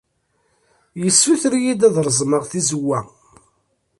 Yessuter-iyi-d ad reẓmeɣ tizewwa.